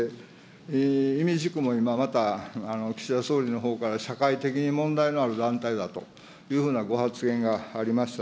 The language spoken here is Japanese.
いみじくも今また岸田総理のほうから社会的に問題がある団体だというふうなご発言がありました。